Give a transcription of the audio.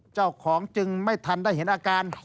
เจ้าของจึงไม่ทันได้เห็นอาการ